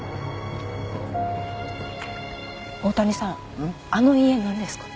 大谷さんあの家なんですか？